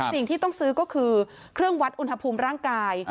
สิ่งที่ต้องซื้อก็คือเครื่องวัดอุณหภูมิร่างกาย